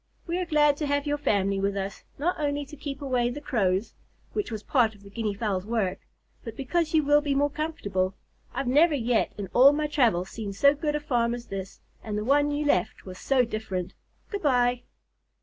We are glad to have your family with us, not only to keep away the Crows (which was part of the Guinea Fowls' work), but because you will be more comfortable. I've never yet in all my travels seen so good a farm as this, and the one you left was so different! Good bye."